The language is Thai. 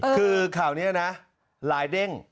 คือข่าวนี้นะลายเด้ง